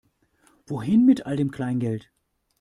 Wohin mit all dem Kleingeld?